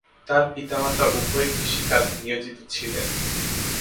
তার পিতামাতা উভয়ই কৃষিকাজে নিয়োজিত ছিলেন।